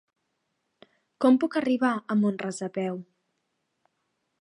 Com puc arribar a Mont-ras a peu?